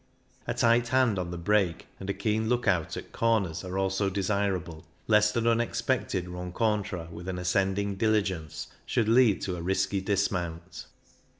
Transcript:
A tight hand on the brake and a keen look out at comers are also desirable, lest an unexpected rencontre with an ascending diligence should lead to a risky dismount.